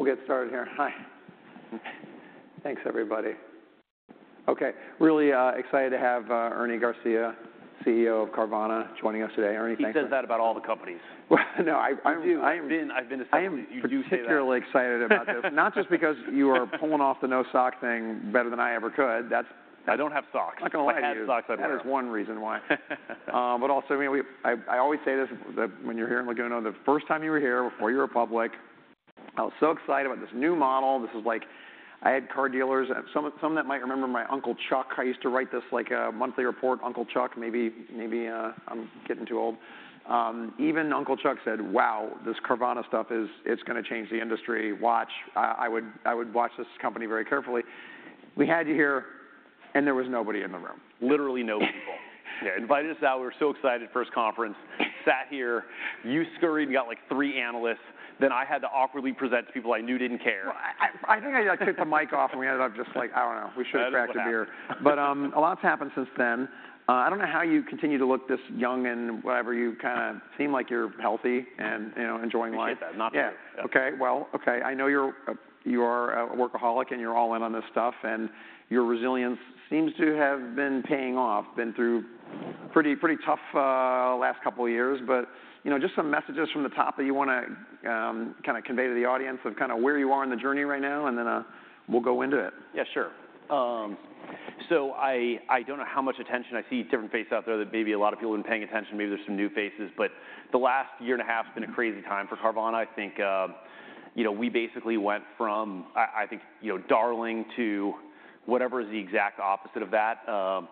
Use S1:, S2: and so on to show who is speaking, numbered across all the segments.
S1: Hi. We'll get started here. Hi. Thanks, everybody. Okay, really, excited to have, Ernie Garcia, CEO of Carvana, joining us today. Ernie, thanks-
S2: He says that about all the companies.
S1: Well, no.
S2: You do. I've been to several-
S1: I am-
S2: You do say that.
S1: particularly excited about this, not just because you are pulling off the no sock thing better than I ever could. That's-
S2: I don't have socks.
S1: I'm not gonna lie to you.
S2: I have socks under here.
S1: That is one reason why. But also, I mean, we, I always say this, that when you're here in Laguna, the first time you were here before you were public, I was so excited about this new model. This is like I had car dealers. Some that might remember my Uncle Chuck. I used to write this, like, monthly report, Uncle Chuck, maybe, I'm getting too old. Even Uncle Chuck said: "Wow, this Carvana stuff is it's gonna change the industry. Watch. I would watch this company very carefully." We had you here, and there was nobody in the room, literally no people.
S2: Yeah, invited us out. We were so excited, first conference. Sat here. You scurried and got, like, three analysts. Then I had to awkwardly present to people I knew didn't care.
S1: Well, I think I took the mic off, and we ended up just like, I don't know, we should've cracked a beer. But, a lot's happened since then. I don't know how you continue to look this young and whatever. You kinda seem like you're healthy and, you know, enjoying life.
S2: I get that, not that-
S1: Yeah. Okay, well, okay, I know you're a workaholic, and you're all in on this stuff, and your resilience seems to have been paying off. Been through pretty tough last couple of years, but you know, just some messages from the top that you wanna kinda convey to the audience of kinda where you are in the journey right now, and then we'll go into it.
S2: Yeah, sure. So I don't know how much attention... I see different faces out there that maybe a lot of people have been paying attention, maybe there's some new faces, but the last year and a half has been a crazy time for Carvana. I think, you know, we basically went from, I think, you know, darling to whatever is the exact opposite of that,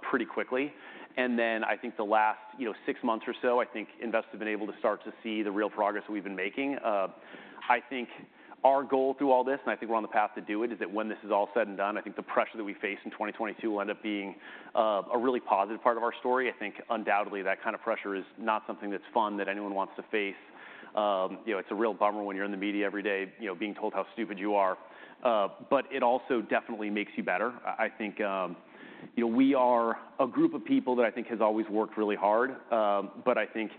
S2: pretty quickly. And then, I think the last, you know, six months or so, I think investors have been able to start to see the real progress we've been making. I think our goal through all this, and I think we're on the path to do it, is that when this is all said and done, I think the pressure that we face in 2022 will end up being a really positive part of our story. I think undoubtedly, that kind of pressure is not something that's fun, that anyone wants to face. You know, it's a real bummer when you're in the media every day, you know, being told how stupid you are. But it also definitely makes you better. I think, you know, we are a group of people that I think has always worked really hard, but I think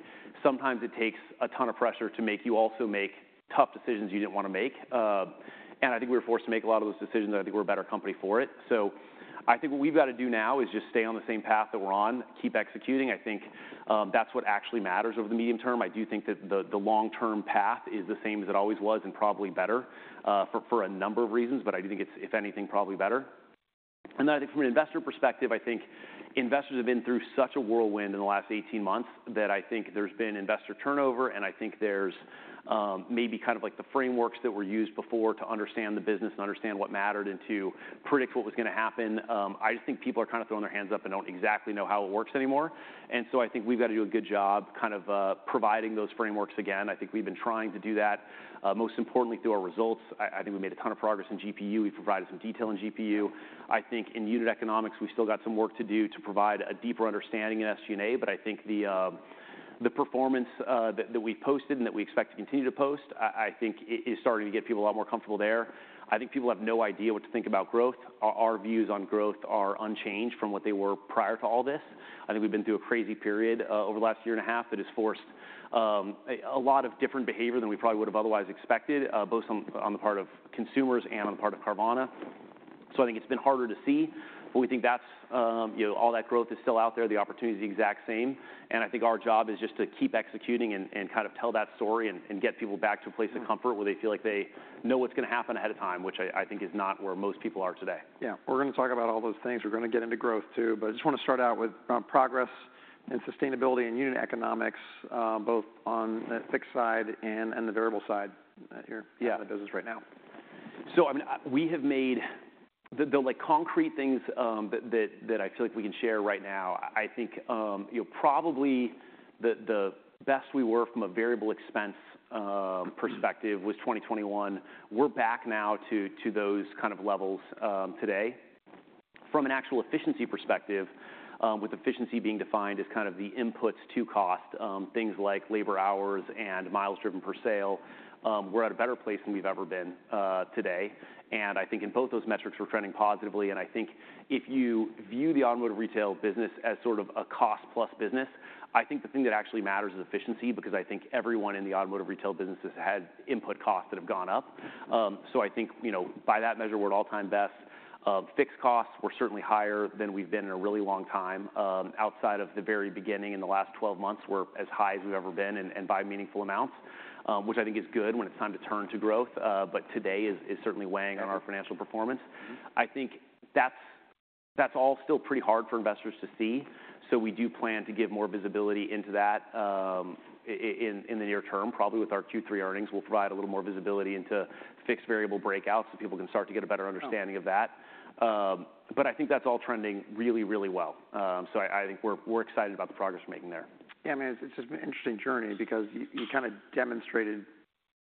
S2: sometimes it takes a ton of pressure to make you also make tough decisions you didn't wanna make. And I think we were forced to make a lot of those decisions, and I think we're a better company for it. So I think what we've got to do now is just stay on the same path that we're on, keep executing. I think, that's what actually matters over the medium term. I do think that the long-term path is the same as it always was and probably better, for a number of reasons, but I do think it's, if anything, probably better. And then from an investor perspective, I think investors have been through such a whirlwind in the last 18 months, that I think there's been investor turnover, and I think there's maybe kind of like the frameworks that were used before to understand the business and understand what mattered and to predict what was gonna happen. I just think people are kinda throwing their hands up and don't exactly know how it works anymore, and so I think we've got to do a good job kind of providing those frameworks again. I think we've been trying to do that, most importantly, through our results. I think we made a ton of progress in GPU. We've provided some detail in GPU. I think in unit economics, we've still got some work to do to provide a deeper understanding in SG&A, but I think the performance that we've posted and that we expect to continue to post, I think is starting to get people a lot more comfortable there. I think people have no idea what to think about growth. Our views on growth are unchanged from what they were prior to all this. I think we've been through a crazy period over the last year and a half that has forced a lot of different behavior than we probably would have otherwise expected, both on the part of consumers and on the part of Carvana. So I think it's been harder to see, but we think that's, you know, all that growth is still out there, the opportunity is the exact same, and I think our job is just to keep executing and kind of tell that story and get people back to a place of comfort where they feel like they know what's gonna happen ahead of time, which I think is not where most people are today.
S1: Yeah. We're gonna talk about all those things. We're gonna get into growth, too, but I just wanna start out with progress and sustainability and unit economics both on the fixed side and the variable side here-
S2: Yeah
S1: of the business right now.
S2: So, I mean, we have made... The like concrete things that I feel like we can share right now, I think, you know, probably the best we were from a variable expense perspective was 2021. We're back now to those kind of levels today. From an actual efficiency perspective, with efficiency being defined as kind of the inputs to cost, things like labor hours and miles driven per sale, we're at a better place than we've ever been today, and I think in both those metrics, we're trending positively. And I think if you view the automotive retail business as sort of a cost-plus business, I think the thing that actually matters is efficiency, because I think everyone in the automotive retail businesses has input costs that have gone up. So I think, you know, by that measure, we're at an all-time best. Fixed costs were certainly higher than we've been in a really long time. Outside of the very beginning, in the last 12 months, we're as high as we've ever been and by meaningful amounts, which I think is good when it's time to turn to growth, but today is certainly weighing on our financial performance.
S1: Mm-hmm.
S2: I think that's, that's all still pretty hard for investors to see, so we do plan to give more visibility into that, in the near term. Probably with our Q3 earnings, we'll provide a little more visibility into fixed, variable breakouts, so people can start to get a better understanding of that.
S1: Oh.
S2: But I think that's all trending really, really well. So I think we're excited about the progress we're making there.
S1: Yeah, I mean, it's just been an interesting journey because you kinda demonstrated,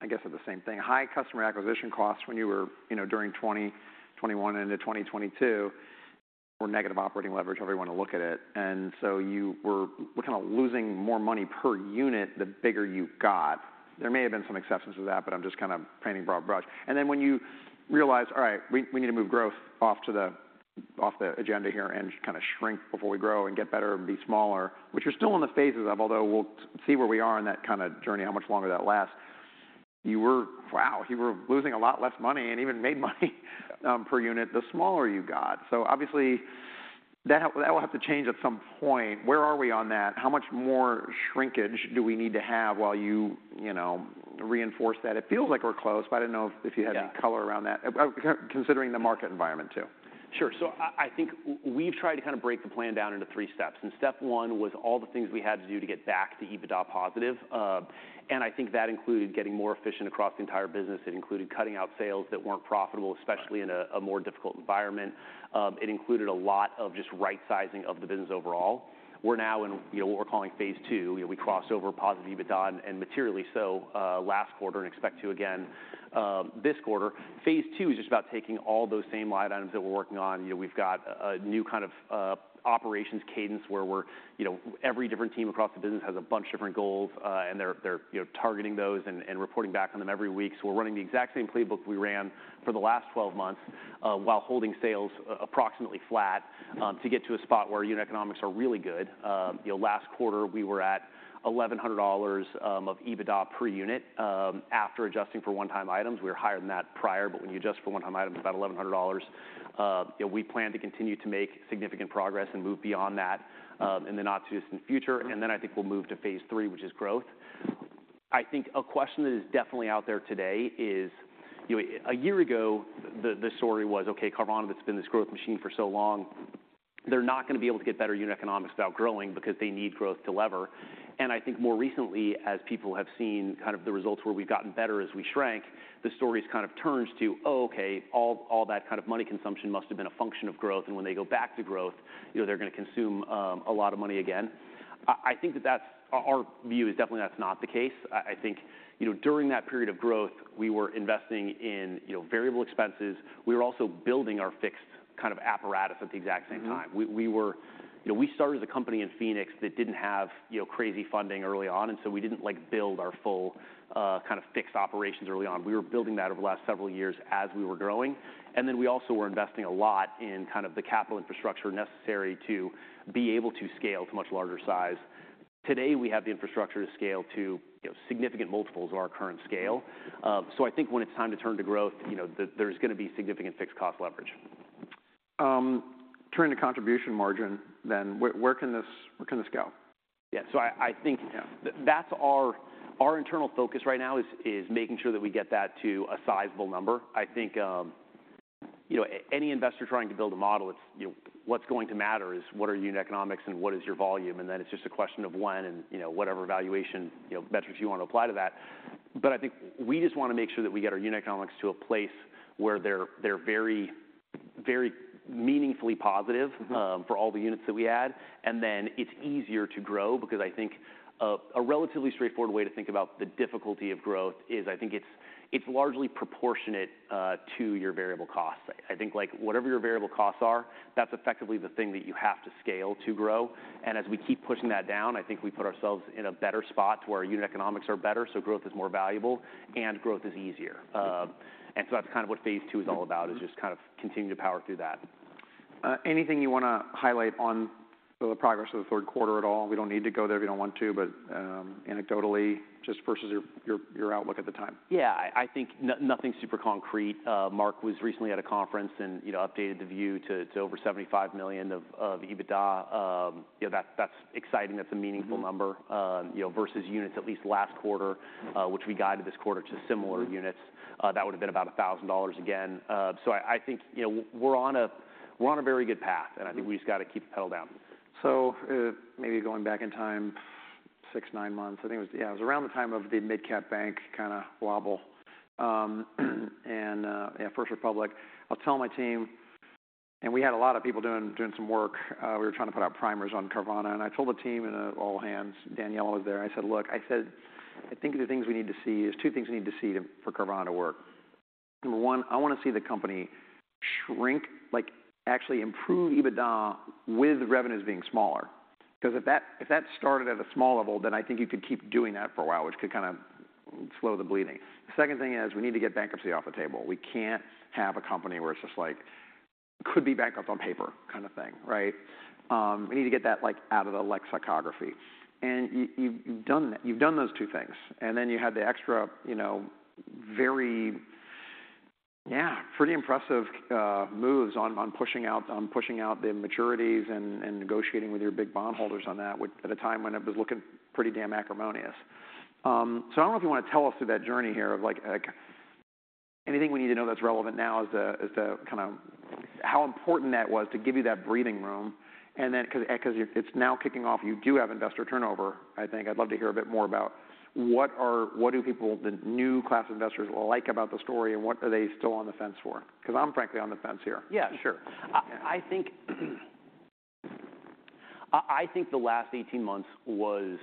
S1: I guess, at the same thing, high customer acquisition costs when you were, you know, during 2021 into 2022, were negative operating leverage, however you want to look at it. And so you were kind of losing more money per unit, the bigger you got. There may have been some exceptions to that, but I'm just kind of painting broad brush. And then when you realized: All right, we need to move growth off the agenda here and kind of shrink before we grow and get better and be smaller, which you're still in the phases of, although we'll see where we are in that kind of journey, how much longer that lasts. You were, wow, you were losing a lot less money and even made money per unit, the smaller you got. So obviously, that will, that will have to change at some point. Where are we on that? How much more shrinkage do we need to have while you, you know, reinforce that? It feels like we're close, but I didn't know if, if you had-
S2: Yeah
S1: - any color around that, considering the market environment, too.
S2: Sure. So I think we've tried to kinda break the plan down into three steps, and step one was all the things we had to do to get back to EBITDA positive. I think that included getting more efficient across the entire business. It included cutting out sales that weren't profitable-
S1: Right
S2: - especially in a more difficult environment. It included a lot of just right-sizing of the business overall. We're now in, you know, what we're calling phase two. You know, we crossed over positive EBITDA and materially so last quarter, and expect to again this quarter. Phase two is just about taking all those same line items that we're working on. You know, we've got a new kind of operations cadence, where we're, you know, every different team across the business has a bunch of different goals, and they're targeting those and reporting back on them every week. So we're running the exact same playbook we ran for the last 12 months while holding sales approximately flat to get to a spot where unit economics are really good. You know, last quarter, we were at $1,100 of EBITDA per unit, after adjusting for one-time items. We were higher than that prior, but when you adjust for one-time items, about $1,100. You know, we plan to continue to make significant progress and move beyond that, in the not-too-distant future.
S1: Mm-hmm.
S2: Then I think we'll move to phase three, which is growth. I think a question that is definitely out there today is... You know, a year ago, the story was, okay, Carvana's been this growth machine for so long, they're not gonna be able to get better unit economics without growing because they need growth to lever. And I think more recently, as people have seen kind of the results where we've gotten better as we shrank, the story's kind of turned to: Oh, okay, all that kind of money consumption must have been a function of growth, and when they go back to growth, you know, they're gonna consume a lot of money again. I think that that's. Our view is definitely that's not the case. I think, you know, during that period of growth, we were investing in, you know, variable expenses. We were also building our fixed kind of apparatus at the exact same time.
S1: Mm-hmm.
S2: We were... You know, we started the company in Phoenix that didn't have, you know, crazy funding early on, and so we didn't, like, build our full, kind of fixed operations early on. We were building that over the last several years as we were growing. And then we also were investing a lot in kind of the capital infrastructure necessary to be able to scale to a much larger size. Today, we have the infrastructure to scale to, you know, significant multiples of our current scale. So I think when it's time to turn to growth, you know, there, there's gonna be significant fixed cost leverage.
S1: Turning to contribution margin then, where can this go?
S2: Yeah. So I think-
S1: Yeah...
S2: That's our internal focus right now, is making sure that we get that to a sizable number. I think, you know, any investor trying to build a model, it's, you know, what's going to matter is what are unit economics and what is your volume? And then it's just a question of when and, you know, whatever valuation, you know, metrics you want to apply to that. But I think we just wanna make sure that we get our unit economics to a place where they're very, very meaningfully positive.
S1: Mm-hmm...
S2: for all the units that we add. And then it's easier to grow because I think a relatively straightforward way to think about the difficulty of growth is, I think it's largely proportionate to your variable costs. I think, like, whatever your variable costs are, that's effectively the thing that you have to scale to grow. And as we keep pushing that down, I think we put ourselves in a better spot to where our unit economics are better, so growth is more valuable and growth is easier. And so that's kind of what phase two is all about-
S1: Mm-hmm
S2: is just kind of continuing to power through that.
S1: Anything you wanna highlight on the progress of the third quarter at all? We don't need to go there if you don't want to, but anecdotally, just versus your outlook at the time.
S2: Yeah. I think nothing super concrete. Mark was recently at a conference and, you know, updated the view to over $75 million of EBITDA. You know, that's exciting. That's a meaningful number.
S1: Mm-hmm.
S2: You know, versus units at least last quarter, which we guided this quarter to similar units.
S1: Mm-hmm.
S2: That would've been about $1,000 again. So I think, you know, we're on a very good path-
S1: Mm-hmm
S2: I think we've just gotta keep the pedal down.
S1: So, maybe going back in time, 6 to 9 months, I think it was. Yeah, it was around the time of the midcap bank kinda wobble, and, yeah, First Republic. I'll tell my team, and we had a lot of people doing some work. We were trying to put out primers on Carvana, and I told the team in an all hands, Daniela was there. I said, "Look," I said, "I think the things we need to see, there's 2 things we need to see for Carvana to work. Number 1, I wanna see the company shrink, like actually improve EBITDA with revenues being smaller." Because if that started at a small level, then I think you could keep doing that for a while, which could kinda slow the bleeding. The second thing is, we need to get bankruptcy off the table. We can't have a company where it's just like, could be bankrupt on paper kind of thing, right? We need to get that, like, out of the lexicography. And you've done that. You've done those two things, and then you had the extra, you know, very, yeah, pretty impressive moves on pushing out the maturities and negotiating with your big bondholders on that, which at a time when it was looking pretty damn acrimonious. So I don't know if you wanna tell us through that journey here, of like, anything we need to know that's relevant now as to kinda how important that was to give you that breathing room? And then, 'cause it, it's now kicking off, you do have investor turnover, I think. I'd love to hear a bit more about what do people, the new class of investors, like about the story and what are they still on the fence for? 'Cause I'm frankly on the fence here.
S2: Yeah, sure.
S1: Yeah.
S2: I think the last 18 months was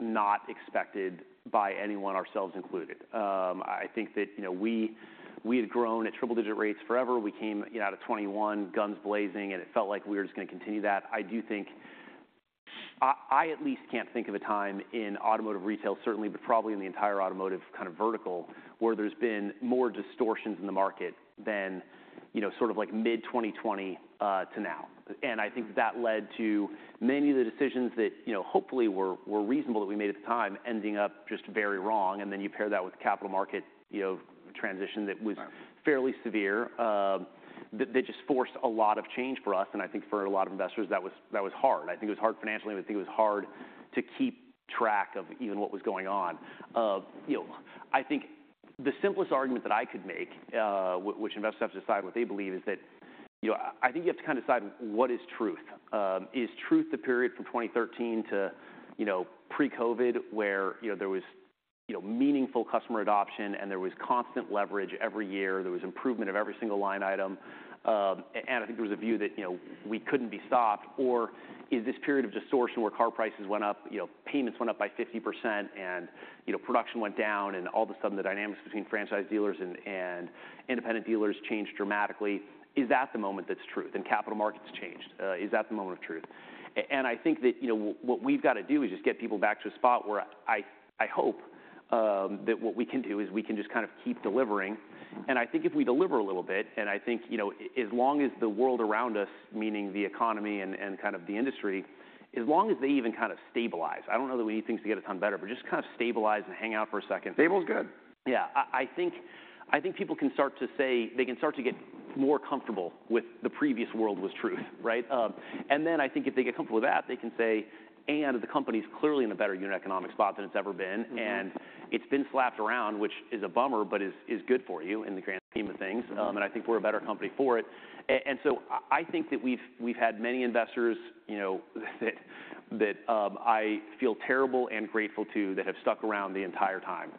S2: not expected by anyone, ourselves included. I think that, you know, we had grown at triple-digit rates forever. We came, you know, out of 2021, guns blazing, and it felt like we were just gonna continue that. I do think I at least can't think of a time in automotive retail, certainly, but probably in the entire automotive kind of vertical, where there's been more distortions in the market than you know, sort of like mid-2020 to now. And I think that led to many of the decisions that, you know, hopefully were reasonable that we made at the time, ending up just very wrong. And then you pair that with capital market, you know, transition that was-
S1: Right...
S2: fairly severe, that just forced a lot of change for us, and I think for a lot of investors, that was, that was hard. I think it was hard financially, I think it was hard to keep track of even what was going on. You know, I think the simplest argument that I could make, which investors have to decide what they believe, is that, you know, I think you have to kind of decide what is truth. Is truth the period from 2013 to, you know, pre-COVID, where, you know, there was, you know, meaningful customer adoption, and there was constant leverage every year, there was improvement of every single line item? And I think there was a view that, you know, we couldn't be stopped, or is this period of distortion where car prices went up, you know, payments went up by 50% and, you know, production went down, and all of a sudden, the dynamics between franchise dealers and independent dealers changed dramatically. Is that the moment that's truth, and capital markets changed? Is that the moment of truth? And I think that, you know, what we've got to do is just get people back to a spot where I hope that what we can do is we can just kind of keep delivering. I think if we deliver a little bit, and I think, you know, as long as the world around us, meaning the economy and kind of the industry, as long as they even kind of stabilize, I don't know that we need things to get a ton better, but just kind of stabilize and hang out for a second.
S1: Stable is good.
S2: Yeah. I think, I think people can start to say... They can start to get more comfortable with the previous world was truth, right? And then I think if they get comfortable with that, they can say, "And the company's clearly in a better unit economic spot than it's ever been.
S1: Mm-hmm.
S2: It's been slapped around, which is a bummer, but is good for you in the grand scheme of things.
S1: Mm-hmm.
S2: And I think we're a better company for it. And so I, I think that we've, we've had many investors, you know, that, that, I feel terrible and grateful to, that have stuck around the entire time.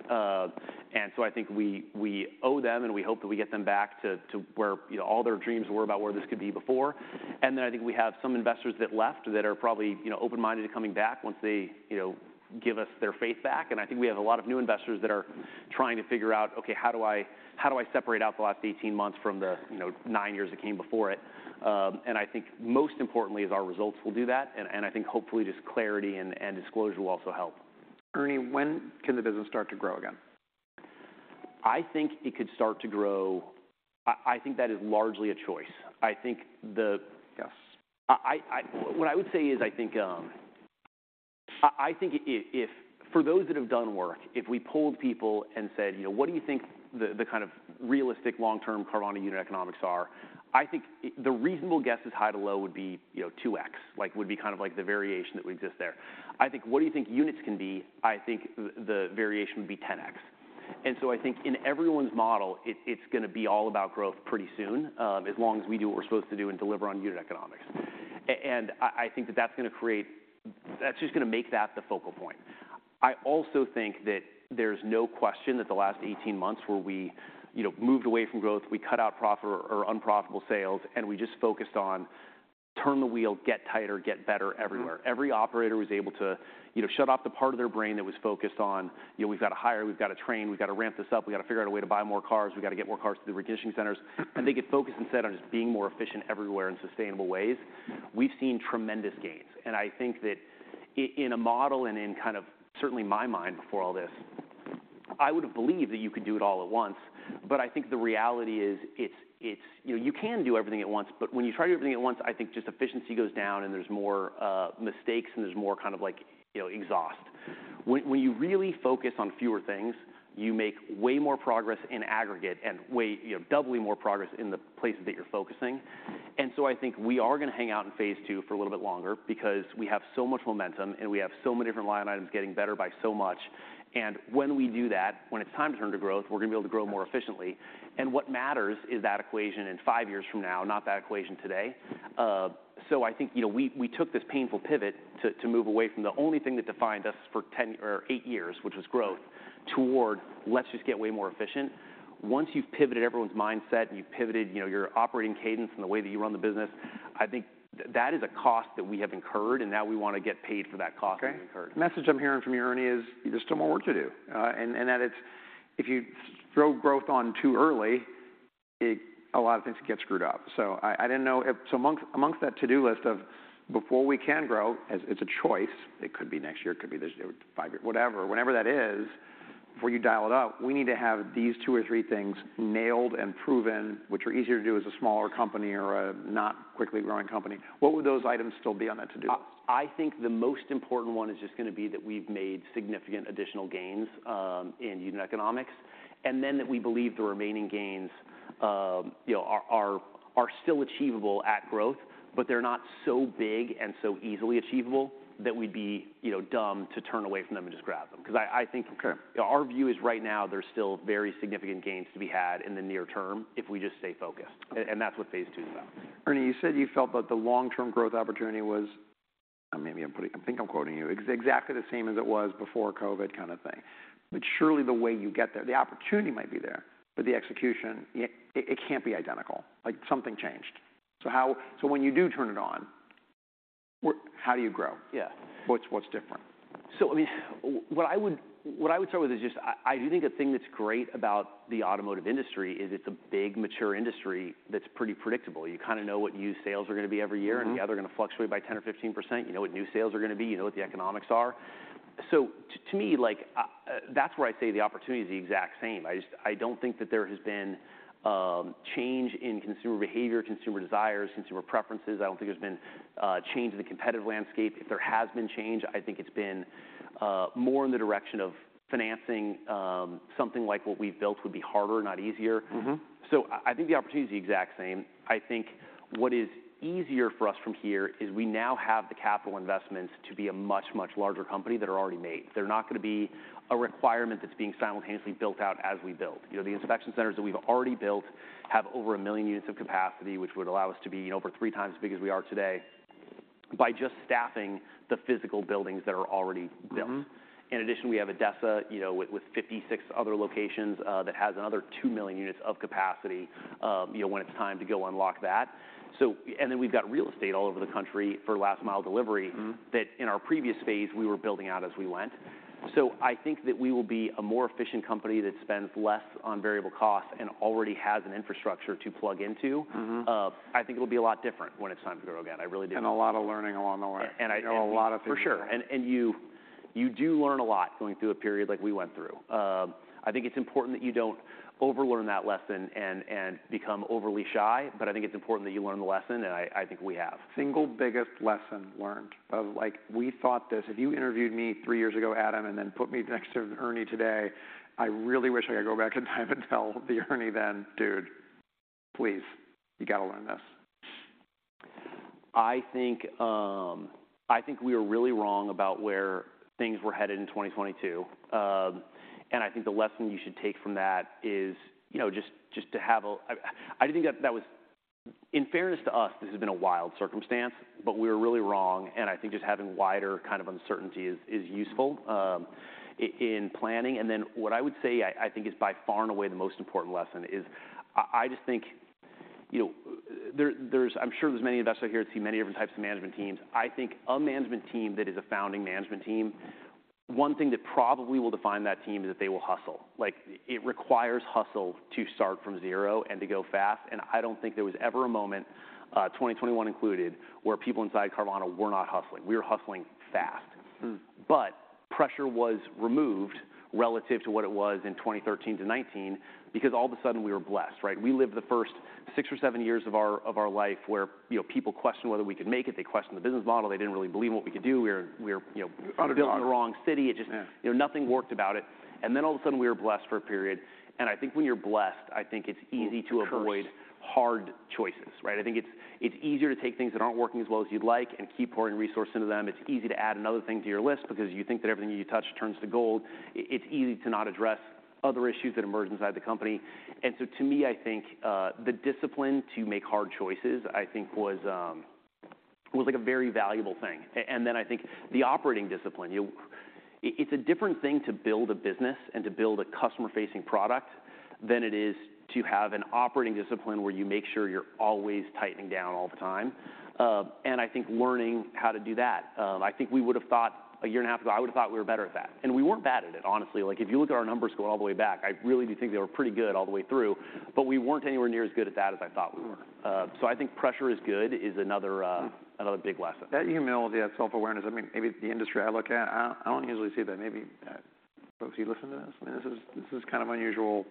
S2: And so I think we, we owe them, and we hope that we get them back to, to where, you know, all their dreams were about where this could be before. And then I think we have some investors that left that are probably, you know, open-minded to coming back once they, you know, give us their faith back. I think we have a lot of new investors that are trying to figure out, "Okay, how do I, how do I separate out the last 18 months from the, you know, 9 years that came before it?" I think most importantly is our results will do that, and, and I think hopefully, just clarity and, and disclosure will also help.
S1: Ernie, when can the business start to grow again?
S2: I think it could start to grow... I, I think that is largely a choice. I think the-
S1: Yes.
S2: What I would say is I think, if for those that have done work, if we polled people and said, "You know, what do you think the, the kind of realistic long-term Carvana unit economics are?" I think the reasonable guess is high to low would be, you know, 2x, like, would be kind of like the variation that would exist there. I think, "What do you think units can be?" I think the, the variation would be 10x. And so I think in everyone's model, it, it's gonna be all about growth pretty soon, as long as we do what we're supposed to do and deliver on unit economics. And I think that that's gonna create... That's just gonna make that the focal point. I also think that there's no question that the last 18 months, where we, you know, moved away from growth, we cut out unprofitable sales, and we just focused on turn the wheel, get tighter, get better everywhere.
S1: Mm-hmm.
S2: Every operator was able to, you know, shut off the part of their brain that was focused on, "You know, we've got to hire, we've got to train, we've got to ramp this up, we've got to figure out a way to buy more cars, we've got to get more cars to the reconditioning centers." And they get focused instead on just being more efficient everywhere in sustainable ways. We've seen tremendous gains, and I think that in a model and in kind of certainly my mind before all this, I would've believed that you could do it all at once. But I think the reality is, it's... You know, you can do everything at once, but when you try to do everything at once, I think just efficiency goes down, and there's more mistakes and there's more kind of like, you know, exhaust. When you really focus on fewer things, you make way more progress in aggregate and way, you know, doubly more progress in the places that you're focusing. And so I think we are gonna hang out in phase two for a little bit longer because we have so much momentum, and we have so many different line items getting better by so much. And when we do that, when it's time to turn to growth, we're gonna be able to grow more efficiently. And what matters is that equation in five years from now, not that equation today. So I think, you know, we took this painful pivot to move away from the only thing that defined us for ten or eight years, which was growth, toward let's just get way more efficient. Once you've pivoted everyone's mindset and you've pivoted, you know, your operating cadence and the way that you run the business, I think that is a cost that we have incurred, and now we want to get paid for that cost that we incurred.
S1: Okay. The message I'm hearing from you, Ernie, is there's still more work to do, and that it's... If you throw growth on too early, it a lot of things get screwed up. So I didn't know if... So amongst that to-do list of before we can grow, as it's a choice, it could be next year, it could be this, five years, whatever. Whenever that is, before you dial it up, we need to have these two or three things nailed and proven, which are easier to do as a smaller company or a not quickly growing company. What would those items still be on that to-do list?
S2: I think the most important one is just gonna be that we've made significant additional gains in unit economics, and then, that we believe the remaining gains, you know, are still achievable at growth, but they're not so big and so easily achievable that we'd be, you know, dumb to turn away from them and just grab them. Because I think-
S1: Okay...
S2: our view is right now, there's still very significant gains to be had in the near term if we just stay focused.
S1: Okay.
S2: And that's what phase two is about.
S1: Ernie, you said you felt that the long-term growth opportunity was, maybe I think I'm quoting you, "Exactly the same as it was before COVID," kind of thing. But surely the way you get there, the opportunity might be there, but the execution, it can't be identical. Like, something changed. So how... So when you do turn it on, how do you grow?
S2: Yeah.
S1: What's different?
S2: So I mean, what I would start with is just I do think the thing that's great about the automotive industry is it's a big, mature industry that's pretty predictable. You kind of know what used sales are gonna be every year-
S1: Mm-hmm...
S2: and yeah, they're gonna fluctuate by 10 or 15%. You know what new sales are gonna be. You know what the economics are... so to me, like, that's where I say the opportunity is the exact same. I just, I don't think that there has been change in consumer behavior, consumer desires, consumer preferences. I don't think there's been a change in the competitive landscape. If there has been change, I think it's been more in the direction of financing, something like what we've built would be harder, not easier.
S1: Mm-hmm.
S2: So I think the opportunity is the exact same. I think what is easier for us from here is we now have the capital investments to be a much, much larger company that are already made. They're not gonna be a requirement that's being simultaneously built out as we build. You know, the inspection centers that we've already built have over 1 million units of capacity, which would allow us to be, you know, over three times as big as we are today by just staffing the physical buildings that are already built.
S1: Mm-hmm.
S2: In addition, we have ADESA, you know, with 56 other locations, that has another 2 million units of capacity, you know, when it's time to go unlock that. So... And then we've got real estate all over the country for last mile delivery-
S1: Mm.
S2: that in our previous phase, we were building out as we went. So I think that we will be a more efficient company that spends less on variable costs and already has an infrastructure to plug into.
S1: Mm-hmm.
S2: I think it'll be a lot different when it's time to grow again. I really do-
S1: A lot of learning along the way.
S2: And I-
S1: And a lot of things-
S2: For sure. You do learn a lot going through a period like we went through. I think it's important that you don't overlearn that lesson and become overly shy, but I think it's important that you learn the lesson, and I think we have.
S1: Single biggest lesson learned... If you interviewed me three years ago, Adam, and then put me next to Ernie today, I really wish I could go back in time and tell the Ernie then, "Dude, please, you gotta learn this.
S2: I think, I think we were really wrong about where things were headed in 2022. And I think the lesson you should take from that is, you know, just, just to have a—I, I think that that was. In fairness to us, this has been a wild circumstance, but we were really wrong, and I think just having wider kind of uncertainty is, is useful, in planning. And then what I would say, I, I think is by far and away the most important lesson is I, I just think, you know, there, there's—I'm sure there's many investors here have seen many different types of management teams. I think a management team that is a founding management team, one thing that probably will define that team is that they will hustle. Like, it requires hustle to start from zero and to go fast, and I don't think there was ever a moment, 2021 included, where people inside Carvana were not hustling. We were hustling fast.
S1: Mm.
S2: But pressure was removed relative to what it was in 2013-2019 because all of a sudden, we were blessed, right? We lived the first six or seven years of our life where, you know, people questioned whether we could make it. They questioned the business model. They didn't really believe what we could do. We were, you know-
S1: Underdog...
S2: built in the wrong city.
S1: Yeah.
S2: It just, you know, nothing worked about it. And then all of a sudden, we were blessed for a period. And I think when you're blessed, I think it's easy-
S1: Of course...
S2: to avoid hard choices, right? I think it's easier to take things that aren't working as well as you'd like and keep pouring resources into them. It's easy to add another thing to your list because you think that everything you touch turns to gold. It's easy to not address other issues that emerge inside the company. And so to me, I think the discipline to make hard choices, I think was like a very valuable thing. And then I think the operating discipline. You know, it's a different thing to build a business and to build a customer-facing product than it is to have an operating discipline, where you make sure you're always tightening down all the time. And I think learning how to do that, I think we would've thought a year and a half ago, I would've thought we were better at that. And we weren't bad at it, honestly. Like, if you look at our numbers going all the way back, I really do think they were pretty good all the way through, but we weren't anywhere near as good at that as I thought we were.
S1: Mm.
S2: So I think pressure is good, is another big lesson.
S1: That humility, that self-awareness, I mean, maybe it's the industry I look at, I don't usually see that. Maybe, folks, you listen to this, and this is kind of unusual,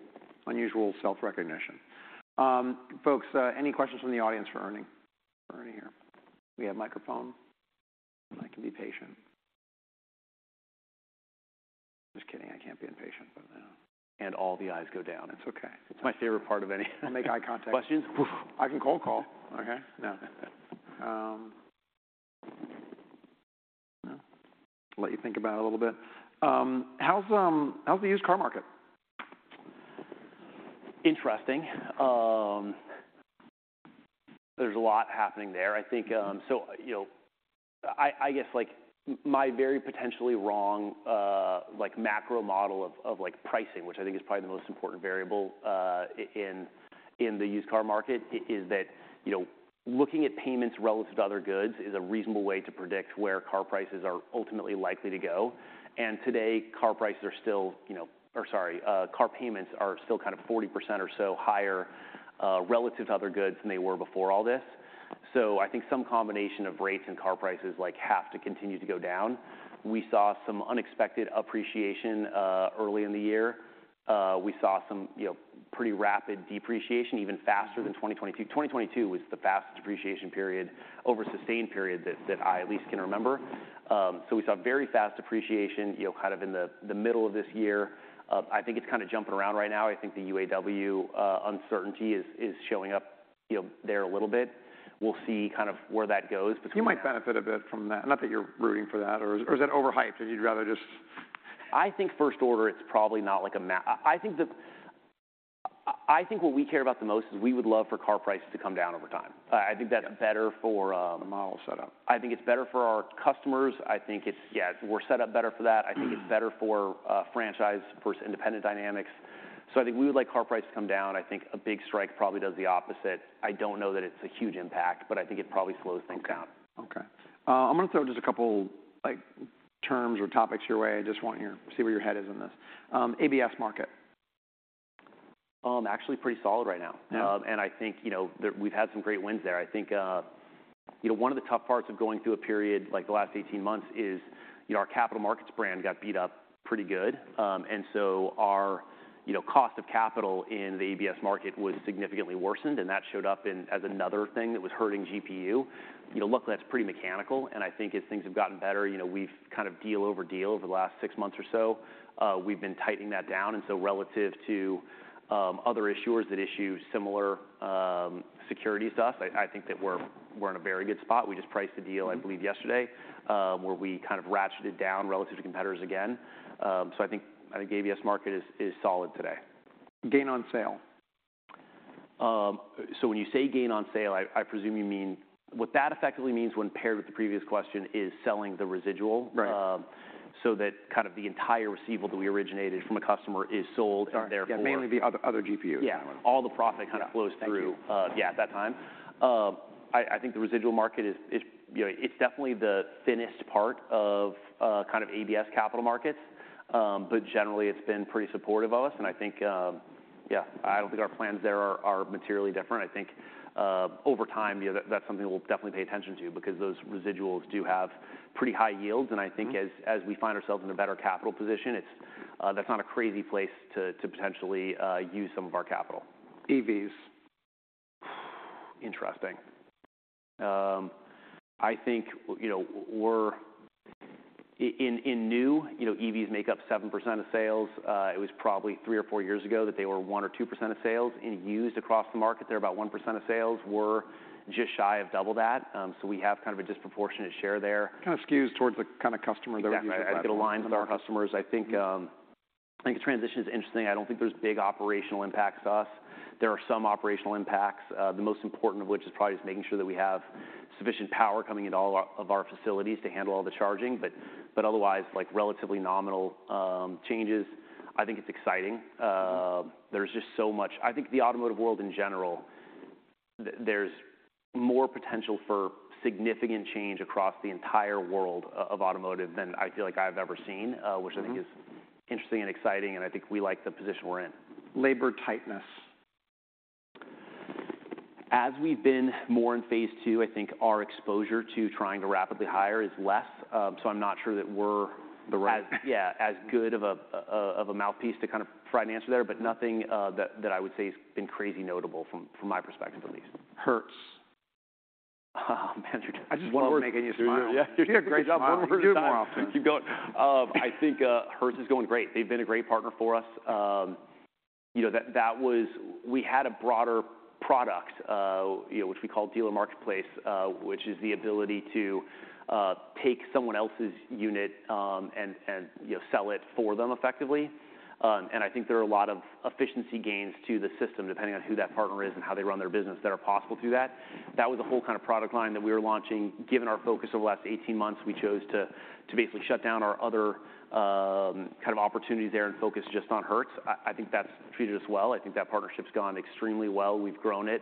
S1: unusual self-recognition. Folks, any questions from the audience for Ernie? For Ernie here. We have a microphone, and I can be patient. Just kidding, I can't be impatient, but...
S2: All the eyes go down.
S1: It's okay.
S2: It's my favorite part of any -
S1: I make eye contact....
S2: questions?
S1: I can cold call. Okay, no. No. I'll let you think about it a little bit. How's the used car market?
S2: Interesting. There's a lot happening there.
S1: Mm.
S2: I think so, you know, I guess, like, my very potentially wrong, like, macro model of pricing, which I think is probably the most important variable in the used car market, is that, you know, looking at payments relative to other goods is a reasonable way to predict where car prices are ultimately likely to go. And today, car prices are still, you know. Or sorry, car payments are still kind of 40% or so higher relative to other goods than they were before all this. So I think some combination of rates and car prices, like, have to continue to go down. We saw some unexpected appreciation early in the year. We saw some, you know, pretty rapid depreciation, even faster-
S1: Mm...
S2: than 2022. 2022 was the fastest depreciation period, over a sustained period, that, that I at least can remember. So we saw very fast depreciation, you know, kind of in the, the middle of this year. I think it's kind of jumping around right now. I think the UAW uncertainty is, is showing up, you know, there a little bit. We'll see kind of where that goes between-
S1: You might benefit a bit from that, not that you're rooting for that or, or is it overhyped, and you'd rather just?
S2: I think first order, it's probably not like a ma- I think what we care about the most is we would love for car prices to come down over time. I think that's-
S1: Yeah...
S2: better for,
S1: The model set up.
S2: I think it's better for our customers. I think it's... Yeah, we're set up better for that.
S1: Mm.
S2: I think it's better for franchise versus independent dynamics. So I think we would like car prices to come down. I think a big strike probably does the opposite. I don't know that it's a huge impact, but I think it probably slows things down.
S1: Okay. Okay, I'm gonna throw just a couple, like, terms or topics your way. I just want your--see where your head is in this. ABS market? ...
S2: Actually, pretty solid right now.
S1: Yeah.
S2: And I think, you know, that we've had some great wins there. I think, you know, one of the tough parts of going through a period like the last 18 months is, you know, our capital markets brand got beat up pretty good. And so our, you know, cost of capital in the ABS market was significantly worsened, and that showed up in-- as another thing that was hurting GPU. You know, luckily, that's pretty mechanical, and I think as things have gotten better, you know, we've kind of deal over deal over the last 6 months or so, we've been tightening that down. And so relative to, other issuers that issue similar, securities to us, I, I think that we're, we're in a very good spot. We just priced a deal, I believe, yesterday, where we kind of ratcheted down relative to competitors again. So I think the ABS market is solid today.
S1: gain on sale?
S2: So when you say gain on sale, I presume you mean... What that effectively means, when paired with the previous question, is selling the residual.
S1: Right.
S2: So that kind of the entire receivable that we originated from a customer is sold, and therefore-
S1: Yeah, mainly the other GPU.
S2: Yeah. All the profit kind of-
S1: Yeah. Thank you....
S2: flows through, yeah, at that time. I think the residual market is, you know, it's definitely the thinnest part of kind of ABS capital markets. But generally, it's been pretty supportive of us, and I think, yeah, I don't think our plans there are materially different. I think over time, you know, that that's something we'll definitely pay attention to because those residuals do have pretty high yields.
S1: Mm-hmm.
S2: I think as we find ourselves in a better capital position, it's, that's not a crazy place to potentially use some of our capital.
S1: EVs.
S2: Interesting. I think, you know, we're in new, you know, EVs make up 7% of sales. It was probably three or four years ago that they were 1% or 2% of sales. In used across the market, they're about 1% of sales. We're just shy of double that, so we have kind of a disproportionate share there.
S1: Kind of skews towards the kind of customer that-
S2: Exactly. It aligns with our customers.
S1: Mm-hmm.
S2: I think, I think the transition is interesting. I don't think there's big operational impacts to us. There are some operational impacts, the most important of which is probably just making sure that we have sufficient power coming into all our, of our facilities to handle all the charging, but, but otherwise, like, relatively nominal, changes. I think it's exciting. There's just so much-- I think the automotive world in general, there's more potential for significant change across the entire world of automotive than I feel like I've ever seen.
S1: Mm-hmm...
S2: which I think is interesting and exciting, and I think we like the position we're in.
S1: Labor tightness.
S2: As we've been more in phase two, I think our exposure to trying to rapidly hire is less. So I'm not sure that we're-
S1: The right...
S2: Yeah, as good of a mouthpiece to kind of provide an answer there. But nothing that I would say has been crazy notable from my perspective, at least.
S1: Hertz.
S2: Man, you're-
S1: I just love making you smile.
S2: Yeah, you're doing a great job.
S1: You do it more often.
S2: Keep going. I think Hertz is going great. They've been a great partner for us. You know, that was... We had a broader product, you know, which we call Dealer Marketplace, which is the ability to take someone else's unit, and you know, sell it for them effectively. And I think there are a lot of efficiency gains to the system, depending on who that partner is and how they run their business, that are possible through that. That was a whole kind of product line that we were launching. Given our focus over the last 18 months, we chose to basically shut down our other kind of opportunities there and focus just on Hertz. I think that's treated us well. I think that partnership's gone extremely well. We've grown it.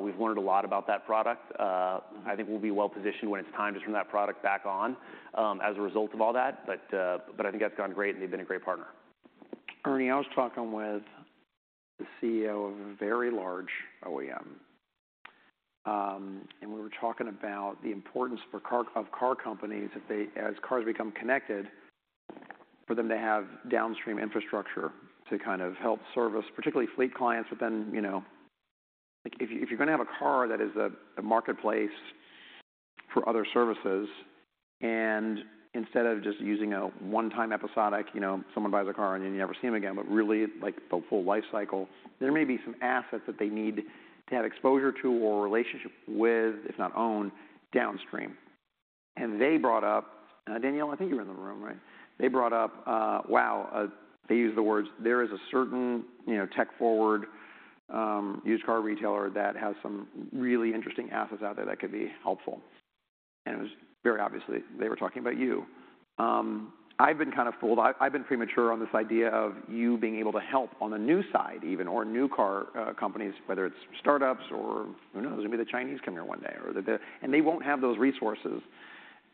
S2: We've learned a lot about that product. I think we'll be well-positioned when it's time to turn that product back on, as a result of all that. But I think that's gone great, and they've been a great partner.
S1: Ernie, I was talking with the CEO of a very large OEM, and we were talking about the importance for car companies if they, as cars become connected, for them to have downstream infrastructure to kind of help service, particularly fleet clients. But then, you know, like, if you, if you're going to have a car that is a, a marketplace for other services, and instead of just using a one-time episodic, you know, someone buys a car, and then you never see them again, but really, like, the full life cycle-
S2: Mm-hmm...
S1: there may be some assets that they need to have exposure to or relationship with, if not own, downstream. And they brought up, Daniela, I think you were in the room, right? They brought up, wow, they used the words, "There is a certain, you know, tech-forward, used car retailer that has some really interesting assets out there that could be helpful." And it was very obviously they were talking about you. I've been kind of fooled. I've been premature on this idea of you being able to help on the new side even or new car, companies, whether it's startups or, who knows, it may be the Chinese come here one day, or the... They won't have those resources,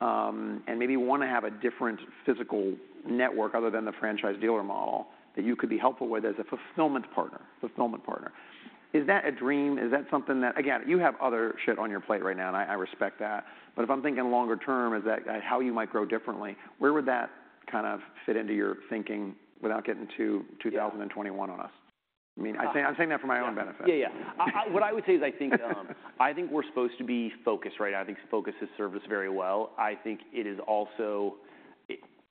S1: and maybe want to have a different physical network other than the franchise dealer model, that you could be helpful with as a fulfillment partner, fulfillment partner. Is that a dream? Is that something that. Again, you have other shit on your plate right now, and I respect that. But if I'm thinking longer term, is that, how you might grow differently, where would that kind of fit into your thinking without getting too-
S2: Yeah...
S1: 2021 on us? I mean, I'm saying, I'm saying that for my own benefit.
S2: Yeah, yeah. What I would say is I think we're supposed to be focused, right? I think focus has served us very well. I think it is also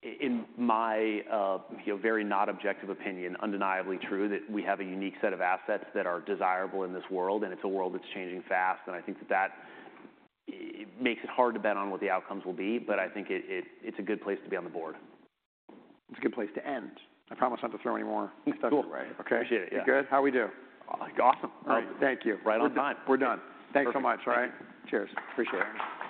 S2: in my, you know, very not objective opinion, undeniably true, that we have a unique set of assets that are desirable in this world, and it's a world that's changing fast. And I think that that, it makes it hard to bet on what the outcomes will be, but I think it, it, it's a good place to be on the board.
S1: It's a good place to end. I promise not to throw any more your way.
S2: Cool.
S1: Okay?
S2: Appreciate it, yeah.
S1: Good? How'd we do?
S2: Like, awesome.
S1: All right. Thank you.
S2: Right on time.
S1: We're done. Thanks so much, all right? Cheers. Appreciate it.